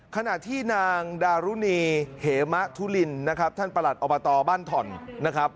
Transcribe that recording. ขณะที่นางดารุณีเหมะทุลินนะครับท่านประหลัดอบตบ้านถ่อนนะครับ